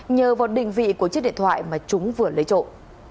nhờ vào đình vị của chiếc điện thoại mà chúng vừa lấy trộm